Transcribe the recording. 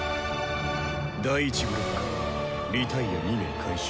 第１ブロックリタイア２名回収。